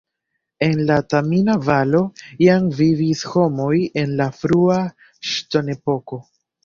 En la Tamina-Valo jam vivis homoj en la frua ŝtonepoko.